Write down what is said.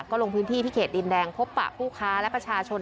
ก็ลงพื้นที่ที่เขตดินแดงพบปะผู้ค้าและประชาชน